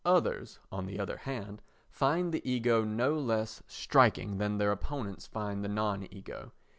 Others, on the other hand, find the ego no less striking than their opponents find the non ego.